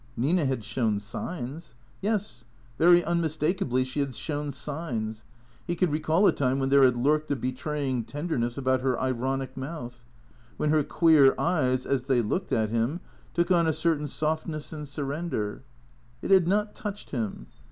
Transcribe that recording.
Nina had shown signs. Yes, very unmistakably she had shown signs. He could recall a time when there had lurked a betraying tenderness about her ironic mouth; when her queer eyes, as they looked at him, took on a certain softness and surrender. It had not touched him.